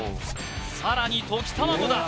さらに溶き卵だ